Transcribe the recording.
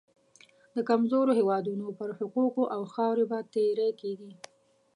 د کمزورو هېوادونو پر حقوقو او خاورې به تیری کېږي.